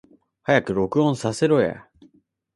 早く録音させろや